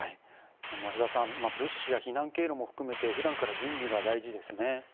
増田さん物資や避難経路も含めて普段から準備が必要ですね。